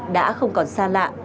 đã không còn xa lạ